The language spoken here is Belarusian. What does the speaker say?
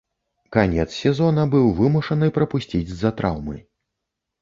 Канец сезона быў вымушаны прапусціць з-за траўмы.